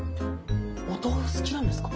お豆腐好きなんですか？